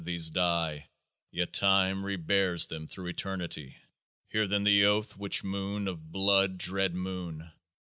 These die, Yet time rebears them through eternity. 99 Hear then the Oath, witch moon of blood, dread moon